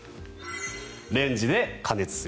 レンジで加熱する。